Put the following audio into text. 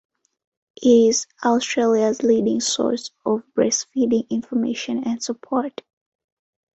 It is Australia's leading source of breastfeeding information and support.